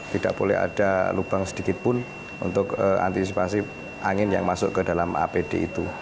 tidak boleh ada lubang sedikit pun untuk antisipasi angin yang masuk ke dalam apd itu